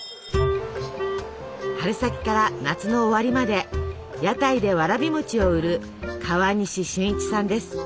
春先から夏の終わりまで屋台でわらび餅を売る川西俊一さんです。